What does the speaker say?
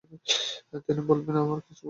তিনি বললেন, তোমরা কিছু বলবে?